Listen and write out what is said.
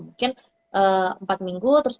mungkin empat minggu terus